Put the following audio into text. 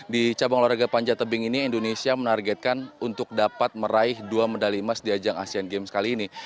di cabang olahraga panjat tebing ini indonesia menargetkan untuk dapat meraih dua medali emas di ajang asean games kali ini